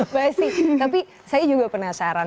mbak esty tapi saya juga penasaran